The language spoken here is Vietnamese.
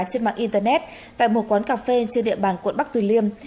trên mạng internet tại một quán cà phê trên địa bàn quận bắc từ liêm